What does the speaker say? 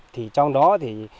thì trong đó thì